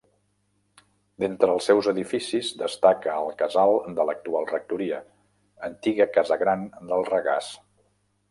D’entre els seus edificis destaca el casal de l’actual rectoria, antiga casa Gran del Regàs.